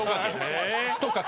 ひとかけ。